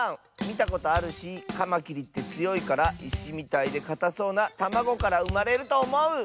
みたことあるしカマキリってつよいからいしみたいでかたそうなたまごからうまれるとおもう！